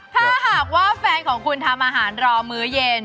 ถ้าหากว่าแฟนของคุณทำอาหารรอมื้อเย็น